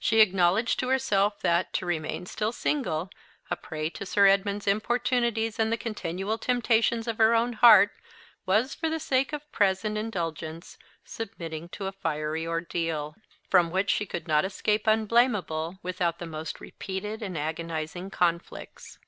She acknowledged to herself that, to remain still single, a prey to Sir Edmund's importunities and the continual temptations of her own heart, was, for the sake of present indulgence, submitting to a fiery ordeal, from which she could not escape unblamable without the most repeated and agonising conflicts.